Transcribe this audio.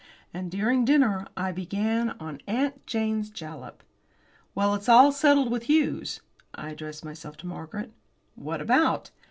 And during dinner I began on "Aunt Jane's Jalap." "Well, it's all settled with Hughes." I addressed myself to Margaret. "What about?"